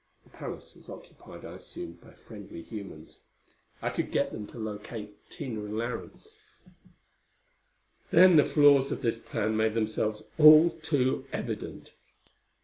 The palace was occupied, I assumed, by friendly humans. I could get them to locate Tina and Larry.... Then the flaws of this plan made themselves all too evident.